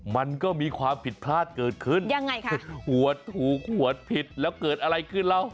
มันก็มีความผิดพลาดเกิดขึ้นยังไงคะหวดถูกหวดผิดแล้วเกิดอะไรขึ้นแล้ว